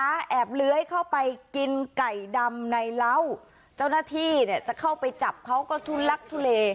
แอบเลื้อยเข้าไปกินไก่ดำในเหล้าเจ้าหน้าที่เนี่ยจะเข้าไปจับเขาก็ทุลักทุเล